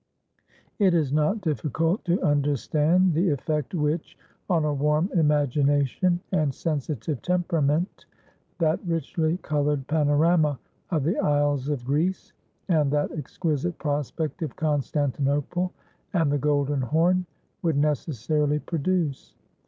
It is not difficult to understand the effect which, on a warm imagination and sensitive temperament, that richly coloured panorama of "the isles of Greece," and that exquisite prospect of Constantinople and the Golden Horn, would necessarily produce.